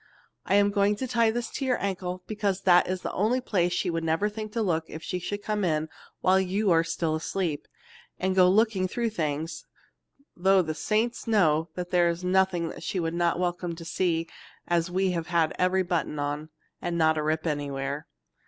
I am going to tie this to your ankle because that is the only place she would never think to look if she should come in while you are still asleep, and go to looking through things, though the saints know there is nothing she is not welcome to see as we have every button on, and not a rip anywhere.